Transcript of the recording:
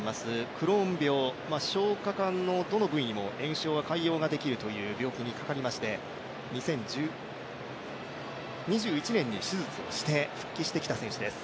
クローン病、消化管のどの部位にも炎症が、潰瘍ができるという病気にかかりまして、２０２１年に手術をして復帰してきた選手です。